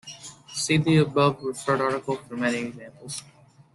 See the above referred article for many examples.